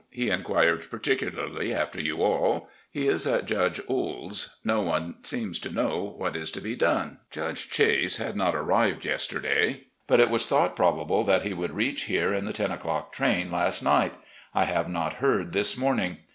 He inquired particularly after you all. He is at Judge Ould's. No one seems to know what is to be done. Judge Chase had not arrived yesterday, but it was thought probable he would reach here in the ten o'clock train last night. I have not heard this morning.